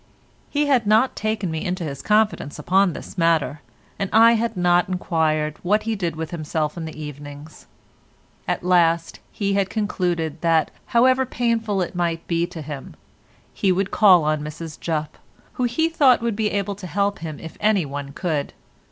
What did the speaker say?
He had not taken me into his confidence upon this matter, and I had not enquired what he did with himself in the evenings. At last he had concluded that, however painful it might be to him, he would call on Mrs Jupp, who he thought would be able to help him if anyone could.